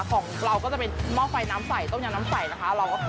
ของเราก็จะเป็นหม้อไฟน้ำใสต้มยำน้ำใสนะคะ